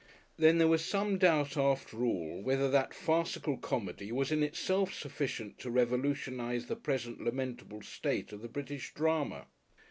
Then there was some doubt, after all, whether that farcical comedy was in itself sufficient to revolutionise the present lamentable state of the British Drama.